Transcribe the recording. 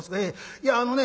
いやあのね